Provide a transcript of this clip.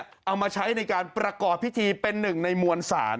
เอามาใช้ในการประกอบพิธีเป็นหนึ่งในมวลศาล